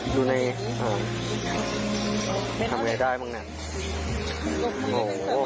ดูไหนเนี้ยทำไรได้บ้างนะโห